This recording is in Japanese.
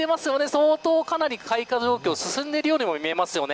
相当かなり開花状況が進んでいるようにも見えますね。